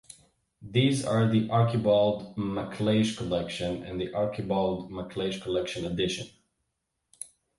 These are the Archibald MacLeish Collection and the Archibald MacLeish Collection Addition.